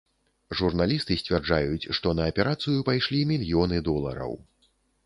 Журналісты сцвярджаюць, што на аперацыю пайшлі мільёны долараў.